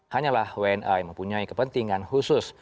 hanyalah wna yang mempunyai kepentingan khusus